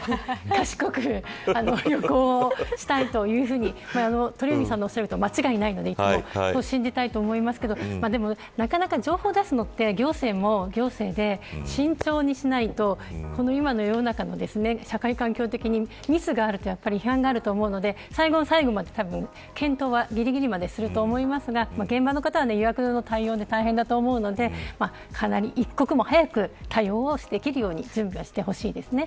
賢く旅行をしたいというふうに鳥海さんがおっしゃることは間違いないのでいつも信じたいと思いますけどなかなか情報を出すのは行政も行政で、慎重にしないと今の世の中の社会環境的にミスがあると批判があると思うので、最後の最後まで検討はぎりぎりまですると思いますが現場の方は、予約などの対応で大変だと思いますので一刻も早く対応できるように準備をしてほしいですね。